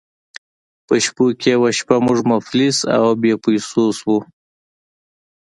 په شپو کې یوه شپه موږ مفلس او بې پیسو شوو.